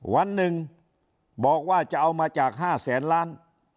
วันหนึ่งบอกว่าจะเอามาจาก๕แสนล้าน